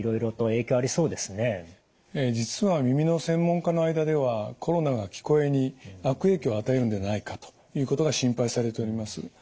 ええ実は耳の専門家の間ではコロナが聞こえに悪影響を与えるんではないかということが心配されております。